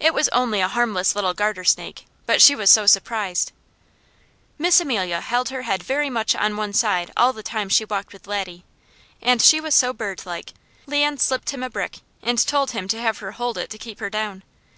It was only a harmless little garter snake, but she was so surprised. Miss Amelia held her head very much on one side all the time she walked with Laddie, and she was so birdlike Leon slipped him a brick and told him to have her hold it to keep her down.